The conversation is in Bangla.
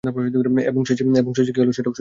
এবং শেষে কী হলো সেটাও শুনিনি।